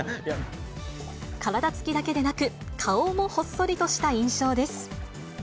体つきだけでなく、顔もほっそりとした印象です。